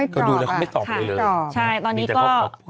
ก็ดูแล้วเขาไม่ตอบเลยเลย